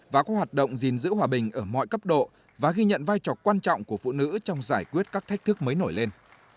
và có hoạt động gìn giữ hòa bình ở mọi cấp độ và ghi nhận vai trò quan trọng của phụ nữ trong giải quyết các thách thức mới nổi lên